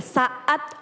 saat debat berlangsung